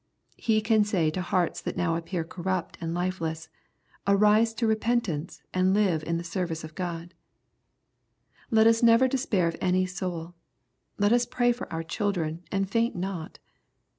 He can say to hearts that now appear corrupt and lifeless, " Arise to repent ance, and live in the service of God." Let us never despair of any soul. Let us pray for our children, and faint not.